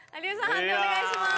判定お願いします。